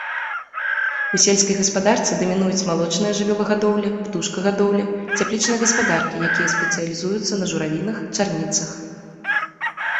У сельскай гаспадарцы дамінуюць малочная жывёлагадоўля, птушкагадоўля, цяплічныя гаспадаркі, якія спецыялізуюцца на журавінах, чарніцах.